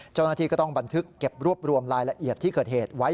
เจ้าหน้าที่ก็ต้องบันทึกเก็บรวบรวมรายละเอียดที่เกิดเหตุไว้